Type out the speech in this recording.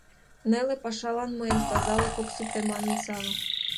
— Неле пашалан мыйын тазалык ок сите, — манын Сава.